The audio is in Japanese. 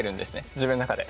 自分の中で。